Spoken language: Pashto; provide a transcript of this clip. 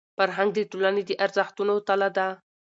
فرهنګ د ټولني د ارزښتونو تله ده.